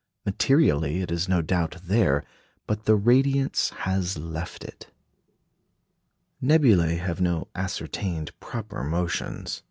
Materially it is no doubt there; but the radiance has left it. Nebulæ have no ascertained proper motions.